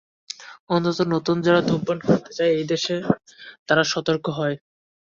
অন্তত নতুন যারা ধূমপান করতে চায়, এটা দেখে তারা সতর্ক হয়।